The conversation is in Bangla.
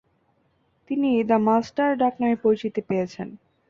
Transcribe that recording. তিনি ‘দ্য মাস্টার’ ডাকনামে পরিচিতি পেয়েছেন।